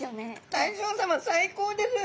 大将さま最高です！